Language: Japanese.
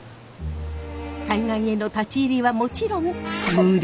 海岸への立ち入りはもちろん無料。